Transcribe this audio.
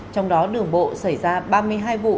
trong đó đường bộ xảy ra ba mươi hai vụ